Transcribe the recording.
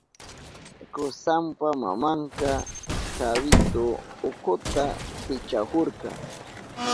Kusanpa mamanka kawitu ukuta pichahurka.